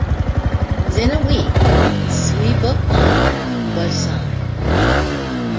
Within a week, a three-book contract was signed.